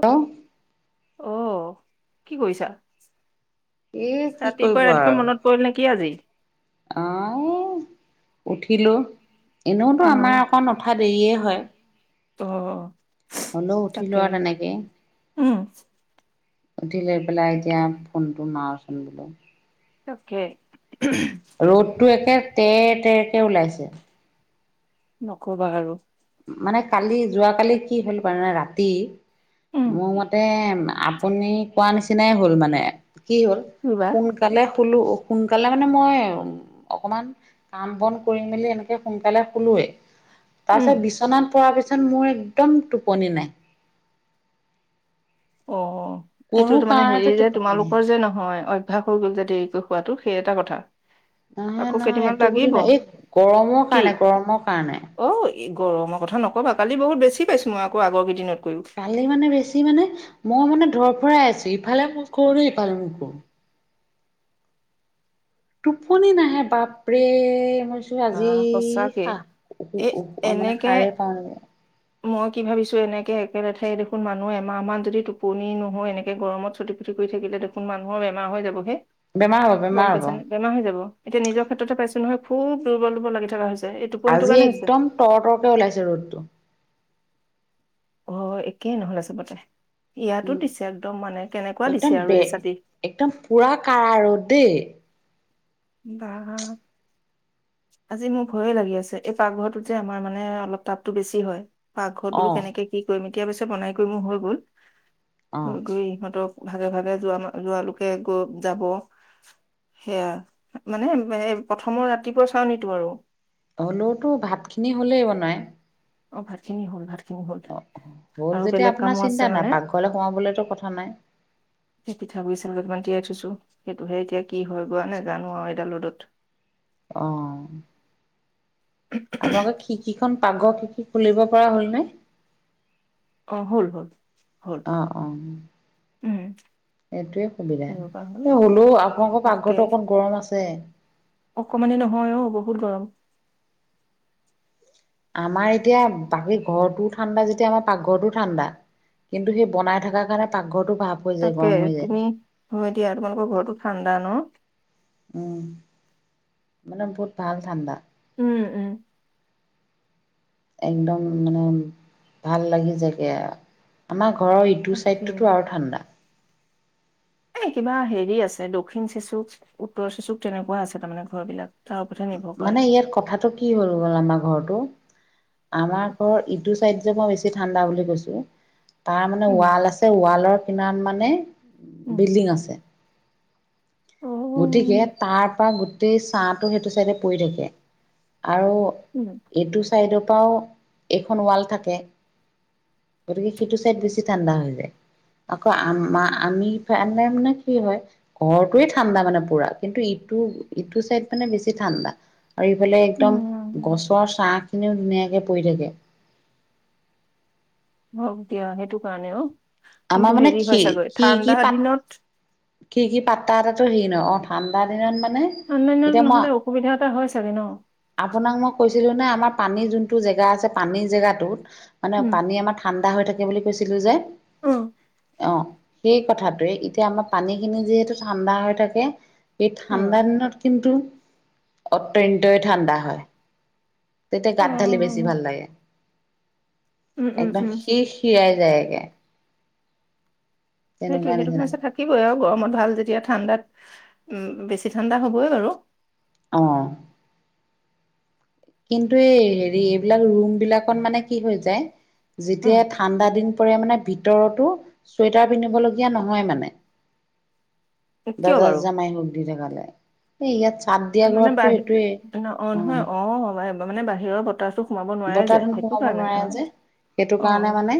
Hello অ' কি কৰিছা? এ কি কৰিব ৰাতিপুৱা আৰু ৰাতিপুৱা মনত পৰিল নেকি আজি? অ' উঠিলোঁ, অ এনেওতো আমাৰ অকণ উঠা দেৰিয়ে হয়। অ' হ'লেও তাকে উঠিলোঁ আৰু তেনেকে উম। উঠি লৈ পেলাই এতিয়া ফোনটো মাৰচোন বোলোঁ। অকে ৰ'দটো একে তেৰ তেৰকে ওলাইছে। ন'কবা আৰু মানে কালি যোৱ কালি কি হ'ল বনানে ৰাতি উম মোৰ মতে আপুনি কোৱা নিচিনাই হ'ল মানে কি হ'ল কিবা সোনকালে খোলোঁ। সোনকালে মানে মই অকমান কাম বন কৰিম মেলি এনেকে সোনকালে খোলোঁ। উম তাৰপিছত বিচনাত পৰা পিছত মোৰ একদম টোপনি নাই। অ' কোনো এইটো মানে হেৰি কাৰণতে যে টোপনি নাহে। তোমালোকৰ যে নহয় অভ্যাস হৈ গ'ল যে দেৰিকৈ শুৱাতো, সেই এটা কথা নহয় আকৌ নহ কেইদিনমান এইটো বুলি লাগিব নহ এই গৰমৰ কি কাৰণে, গৰমৰ কাৰণে। অ এই গৰমৰ কথা ন'কবা কালি বহুত বেছি পাইছোঁ। মই আকৌ আগৰকেইদিনত কালি মানে, বেছি মানে? মই মানে ধৰ ফৰাই আছোঁ। ইফালে মুখ কৰোঁ নে সিফালে মুখ কৰোঁ। টোপনি নাহে বাপৰে মই ছো আজি আহ সঁচাকে সা উ এ উ মানে এনেকে সাৰে পাওঁ নেকি? মই কি ভাবিছোঁ। এনেকে একে লেঠাই দেখোন মানুহ এমাহ মান যদি টোপনি নহয় এনেকে গৰমত চটি ফটি কৰি থাকিলে দেখোন মানুহৰ বেমাৰ হৈ যাবগৈ বেমাৰ হ'ব গ'ম বেমাৰ হ'ব। পাইছেনে বেমাৰ হৈ যাব। এতিয়া নিজৰ ক্ষেত্ৰতে পাইছোঁ নহয়। সুব দুৰ্বল দুৰ্বল লাগি থকা হৈছে। এই টোপনিটো আজি কাৰণে হৈছে একদম তৰ তৰকে ওলাইছে ৰ'দটো। অ' একেই নহ'লে চবতে ইয়াতো উম দিছে। একদম মানে কেনেকুৱা দিছে একদম আৰু বে এই চাতি। একদম পুৰা কাড়া ৰ'দ দেই। ৱাহ আজি মোৰ ভয়ে লাগি আছে। এই পাকঘৰটোত যে আমাৰ মানে অলপ তাপটো বেছি হয়। পাকঘৰত অ বোলোঁ, কেনেকে কি কৰিম এতিয়া পিছে বনাই কৰি মোৰ হৈ গ'ল অ। হৈ কৈ ইহঁতক। ভাগে ভাগে যোৱা যোৱালোকে আকৌ যাব সেয়া। মানে এ প্ৰথমৰ ৰাতিপুৱা চাওঁ নিতো আৰু হলেওটো ভাত খিনি হলেই বনাই। অ' ভাত খিনি হ'ল ভাত খিনি অ হ'ল যেতিয়া আপোনাৰ আছে চিন্তা মানে নাই পাকঘৰলৈ সোমাবলেতো কথা নাই। পিঠাগুৰি চাউল কেতেমন তিয়াই থৈছোঁ। সেইটোহে এতিয়া কি হয় গৈ নেজানো আৰু এইডাল ৰ'দত। অ' আপোনালোকৰ খিৰিকীখন পাকঘ খিৰিকী খন খুলিব পৰা হ'লনে। অ' হ'ল হ'ল হ'ল। উম [inaudible] এইটোৱে সুবিধা কৰিব পৰা হ'ল হ'লও আপোনালোকৰ পাকঘৰতো অকণ গৰম আছে। অকমানে নহয় অ' বহুত গৰম আমাৰ এতিয়া বাকী ঘৰটো ঠাণ্ডা যেতিয়া, আমাৰ পাকঘৰটো ঠাণ্ডা। কিন্তু সেই বনাই থকাৰ কাৰণে পাকঘৰটো। ভাপ হৈ যায় তাকে গৰম হৈ যায় তুমি হযয় দিয়া তোমালোকৰ ঘৰতো ঠাণ্ডা ন' উম মানে বহুত ভাল ঠাণ্ডা। উম- উম একদম মানে ভাল লাগি যায় গে আমাৰ ঘৰ। ঘৰৰ ইটো তাকে ছাইডটোতো আৰু ঠাণ্ডা। এ কিবা হেৰি আছে দক্ষিণ চেচুক উত্তৰ চেচুক তেনেকুৱা আছে তাৰমানে ঘৰ বিলাক। তাৰ ওপৰতহে নিৰ্ভৰ কৰে মানে ইয়াত কথাটো কি হ'ল গ'ল আমাৰ ঘৰটো আমাৰ ঘৰ ইটো চাইড। যে মই বেছি ঠাণ্ডা বুলি কৈছো তাৰ মানে উম ৱাল আছে ৱালৰ কিমান মানে। উম বিল্ডিং আছে। অ গতিকে তাৰ পৰা গোটেই ছাঁটো সেইটো চাইডে পৰি থাকে। আৰু উম এইটো চাইডৰ পৰাও এইখন ৱাল থাকে। গতিকে, সেইটো চাইড বেছি ঠাণ্ডা হৈ যায়। আকৌ, আমা-আমি ফালে মানে কি হয় ঘৰতোয়ে থিক ঠাণ্ডা মানে পুৰা, কিন্তু ইটো-ইটো চাইড মানে বেছি ঠাণ্ডা। আৰু এইফালে একদম উম, গছৰ চাহ খিনিও ধুনীয়াক কে পৰি থাকে। হক দিয়া, সেইটো কাৰণে অ'। আমাৰ মানে খি-খিৰকি পাত, দিনত খিৰকি পাতা এটাটো হেৰি ন ঠাণ্ডা দিনত মান মানে, ঠাণ্ডা দিনত এতিয়া নহ'লে মই অসুবিধা এটা হয় চাগে ন? আপোনাক মই কৈছিলোঁ নে আমাৰ পানীৰ যোনটো জেগা আছে, পানীৰ জেগাটোত মানে উম, পানী আমাৰ ঠাণ্ডা হৈ থাকে বুলি কৈছিলো যে। অ', অ' সেই কথাটোয়ে, এতিয়া আমাৰ পানী খিনি যিহেতু ঠাণ্ডা হৈ থাকে। সেই অ', ঠাণ্ডা দিনত কিন্তু অত্যন্তই ঠাণ্ডা হয়। তেতিয়া অ', গাত ঢালি বেছি ভাল লাগে, উম, উম, একদম উম, সিৰ-সিৰাই। যায়গে। সেইটোয়ে, তেনেকুৱা সেইটো নিচিনা সমস্যা থাকিবই আৰু। গৰমত ভাল যেতিয়া ঠাণ্ডাত উম, বেছি ঠাণ্ডা হবই বাৰু। অ'। কিন্তু, এই হেৰি এইবিলাক ৰুম বিলাকত মানে কি হৈ যায়? উম, যেতিয়াাই ঠাণ্ডা দিন পৰে মানে ভিতৰতো চুৱেটাৰ পিন্ধিবলগীয়া নহয় মানে। কিয় দৰ্জা বাৰু জমাই হুক [unintelligible] এই ইয়াত চাদ দিয়া মানে ঘৰতটো এইটোৱেই বাহিৰ অ' নহয় অ' মানে বাহিৰৰ বতাহটো সোমাব নোৱাৰে বতাহ যে। ধুন সোমাব কাৰণে নোৱাৰে অ', যে, সেইটো কাৰণে অ', মানে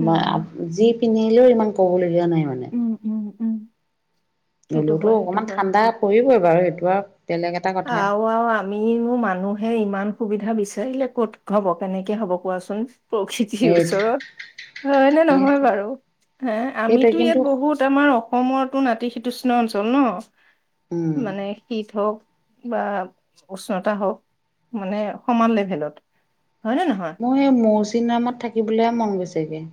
উম, যি পিন্ধি থাকিলো ইমান ক'বলগীয়া নাই মানে উম, উম, উম সেইটো হলোতো হয়, সেইটো অকণমান হয়। ঠাণ্ডা পৰিবই বাৰু সেইটো আৰু বেলেগ এটা কথা আৰু আৰু আমিনো মানুহে ইমান সুবিধা বিচাৰিলে ক'ত হ'ব কেনেকে হ'ব কোৱাচোন প্ৰকৃতিৰ এই ওচৰত, হয় নে নহয় সেইটোৱে বাৰু সে সেইটোৱে আমিতো কিন্তু ইয়াত বহুত আমাৰ অসমতো নাতি শ তৃষ্ণ অঞ্চল ন উম মানে শীত হওক। বা উষ্ণতা হওক মানে সমান লেভেলত। হয় নে নহয় মোৰ সে মৌচিগ্ৰামত থাকিবলৈহে মন গৈছেগে।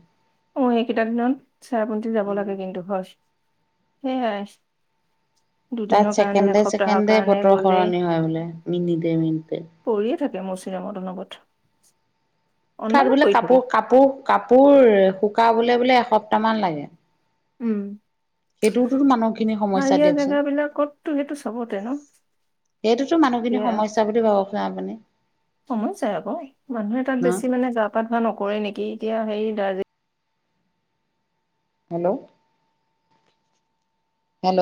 অ এইকেইটা দিনত চেৰাপুঞ্জী যাব উম লাগে কিন্তু হয়। সেই এয়াই, তাত দুদিনৰ কাৰণে ছেকেণ্ডে এসপ্তাহৰ ছেকেণ্ডে কাৰণে বতৰ গলে সলনি হয় বোলে মিনিটে মিনিটে পৰি থাকে মৌচিগ্ৰাৰমত অনবত তাত অনবৰত বোলে কাপোৰ কাপোৰ কাপোৰ শুকাবলৈ বোলে এসপ্তাহ মান লাগে। উম, সেইটোতো মানুহখিনি সমস্যা পাহাৰীয়া দিয়কচোন জেগাবলাক কটো সেইটো চবতে ন। সেইটোতো মানুহখিনি সমস্যা বুলি ভাবচোন আপুনি। সমস্যাই আকৌ মানুহে তাত ন বেছি মানে গা পা ধোৱা নকৰে নেকি এতিয়া হে Darjeeling hello, hello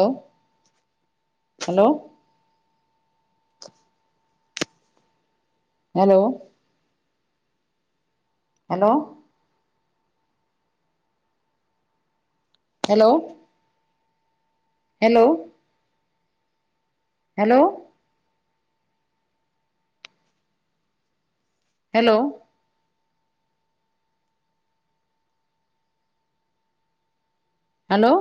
hello, hello, hello, hello, hello, hello, hello. Hello.